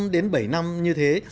năm đến bảy năm như thế